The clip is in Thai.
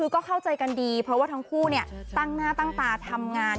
ก็เข้าใจกันดีเพราะว่าทั้งคู่ตั้งหน้าตั้งตาทำงาน